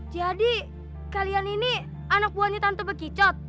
jadi kalian ini anak buahnya tante begicot